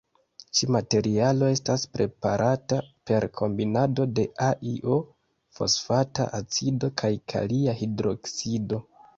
Ĉi-materialo estas preparata per kombinado de AlO, fosfata acido kaj kalia hidroksido.